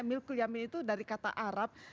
milkul yamin itu dari kata arab